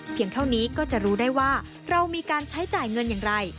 เท่านี้ก็จะรู้ได้ว่าเรามีการใช้จ่ายเงินอย่างไร